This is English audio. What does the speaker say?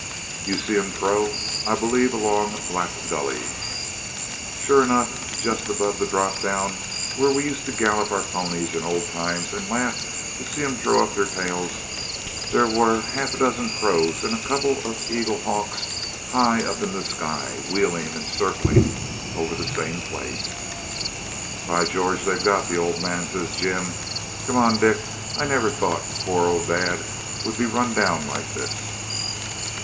'You see um crow? I b'leeve longa Black Gully.' Sure enough, just above the drop down, where we used to gallop our ponies in old times and laugh to see 'em throw up their tails, there were half a dozen crows and a couple of eagle hawks high up in the sky, wheeling and circling over the same place. 'By George! they've got the old man,' says Jim. 'Come on, Dick. I never thought poor old dad would be run down like this.'